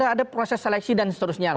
ada proses seleksi dan seterusnya